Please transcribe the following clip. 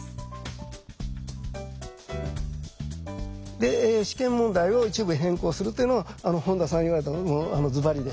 で「試験問題を一部変更する」っていうのは本田さん言われたのずばりでした。